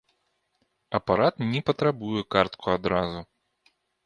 Апарат не патрабуе картку адразу.